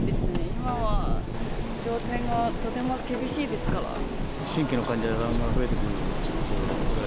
今は状態がとても厳しいですから。